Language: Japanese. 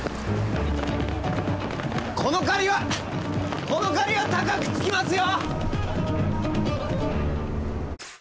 この借りはこの借りは高くつきますよ！